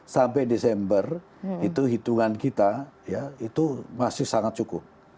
sampai desember itu hitungan kita ya itu masih sangat cukup